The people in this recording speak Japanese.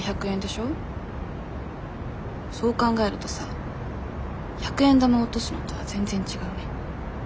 そう考えるとさ百円玉落とすのとは全然違うね。